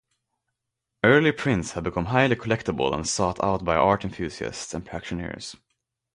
Early prints have become highly collectible and sought out by art enthusiasts and practitioners.